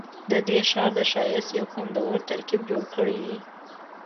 ددې ښار د ښایست یو خوندور ترکیب جوړ کړی دی.